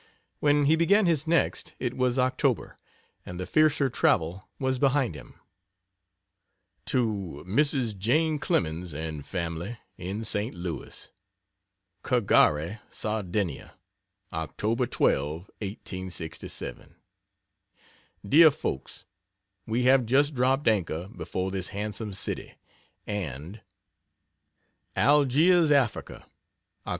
When he began his next it was October, and the fiercer travel was behind him. To Mrs. Jane Clemens and family, in St. Louis: CAGHARI, SARDINIA, Oct, 12, 1867. DEAR FOLKS, We have just dropped anchor before this handsome city and ALGIERS, AFRICA, Oct.